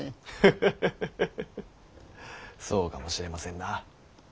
ハハハハハハそうかもしれませんな。